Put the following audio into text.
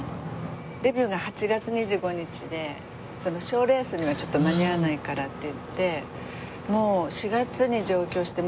デビューが８月２５日で賞レースにはちょっと間に合わないからっていってもう４月に上京して。